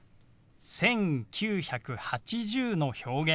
「１９８０」の表現